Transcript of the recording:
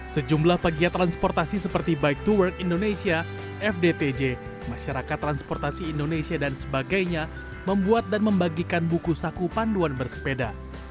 sejumlah pegiat transportasi seperti bike to work indonesia fdtj masyarakat transportasi indonesia dan sebagainya membuat dan membagikan buku saku panduan bersepeda